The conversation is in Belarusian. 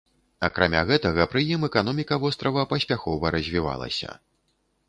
Акрамя гэтага, пры ім эканоміка вострава паспяхова развівалася.